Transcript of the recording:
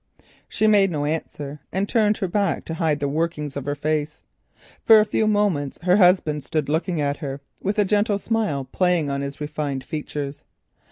She made no answer, and turned her back to hide the workings of her face. For a few moments her husband stood looking at her, a gentle smile playing on his refined features.